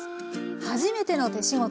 「はじめての手仕事」。